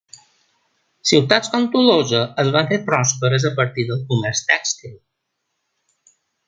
Ciutats com Tolosa es van fer pròsperes a partir del comerç tèxtil.